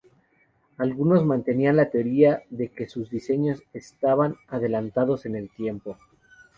Algunos mantenían la teoría de que sus diseños estaban adelantados en el tiempo.